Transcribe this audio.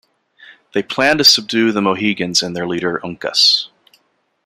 They planned to subdue the Mohegans and their leader Uncas.